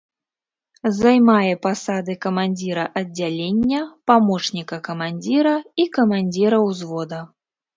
Займае пасады камандзіра аддзялення, памочніка камандзіра і камандзіра ўзвода.